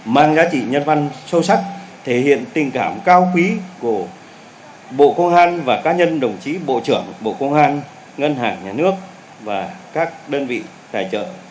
mang giá trị nhân văn sâu sắc thể hiện tình cảm cao quý của bộ công an và cá nhân đồng chí bộ trưởng bộ công an ngân hàng nhà nước và các đơn vị tài trợ